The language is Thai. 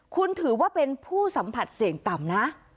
คุณถือว่าเป็นผู้สัมผัสเสี่ยงต่ำนะ